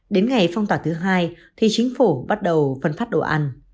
đến ngày phong tỏa thứ hai thì chính phủ bắt đầu phân phát đồ ăn